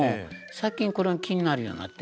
最近これが気になるようになって。